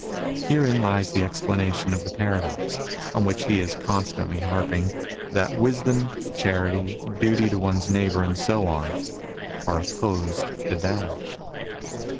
Herein lies the explana tion of the paradox, on which he is constantly harping, that wisdom, charity, duty to one's neighbour and so on, are opposed to Tao.